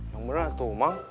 yang bener tuh mang